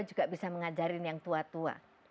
juga bisa mengajarin yang tua tua